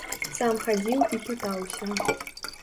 Сам хадзіў і пытаўся.